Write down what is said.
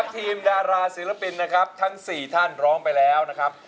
ทีมดาราศิลปินนะครับทั้ง๔ท่านร้องไปแล้วนะครับ